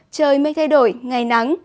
trời mây thay đổi ngày nắng